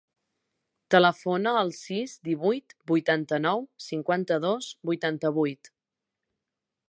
Telefona al sis, divuit, vuitanta-nou, cinquanta-dos, vuitanta-vuit.